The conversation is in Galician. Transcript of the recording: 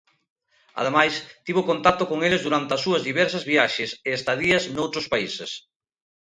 Ademais, tivo contacto con eles durante as súas diversas viaxes e estadías noutros países.